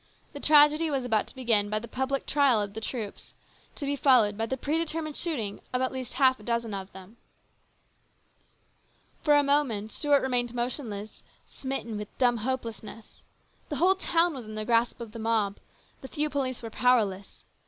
The tragedy was about to begin by the public trial of the troops, to be followed by the predetermined shooting of at least half a dozen of them. For a moment Stuart remained motionless, smitten with dumb hopelessness. The whole town was in the grasp of the mob. The few police were powerless.